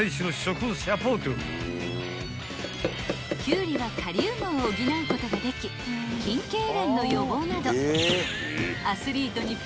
［キュウリはカリウムを補うことができ筋けいれんの予防など］